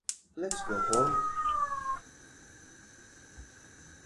Salem offers several graduate degrees in education, plus add-on teaching licensures.